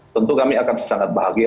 tentu kami akan sangat bahagia